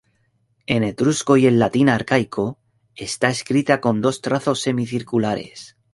En etrusco y en latín arcaico está escrita con dos trazos semicirculares.